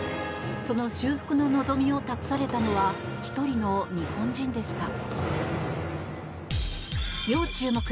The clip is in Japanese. その修復の望みを託されたのは１人の日本人でした。